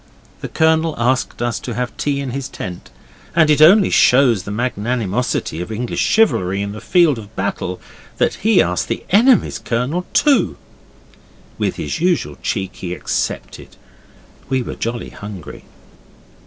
The Colonel asked us to have tea in his tent, and it only shows the magnanimosity of English chivalry in the field of battle that he asked the enemy's Colonel too. With his usual cheek he accepted. We were jolly hungry.